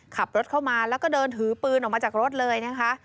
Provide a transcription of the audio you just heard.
ขับรถเข้ามาแล้วก็เดินถือปืนออกมาจากรถเลยนะคะ